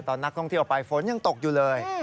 นักท่องเที่ยวไปฝนยังตกอยู่เลย